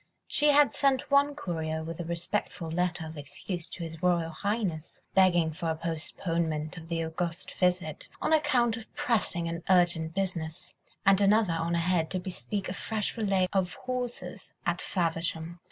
She had sent one courier with a respectful letter of excuse to His Royal Highness, begging for a postponement of the august visit on account of pressing and urgent business, and another on ahead to bespeak a fresh relay of horses at Faversham.